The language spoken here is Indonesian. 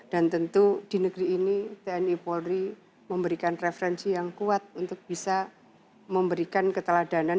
dan tentu di negeri ini tni polri memberikan referensi yang kuat untuk bisa memberikan keteladanan